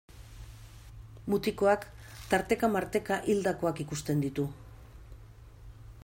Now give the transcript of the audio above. Mutikoak tarteka-marteka hildakoak ikusten ditu.